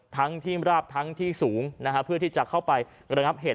ทั้งที่ราบทั้งที่สูงนะฮะเพื่อที่จะเข้าไประงับเหตุ